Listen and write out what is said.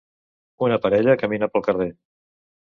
Una parella camina pel carrer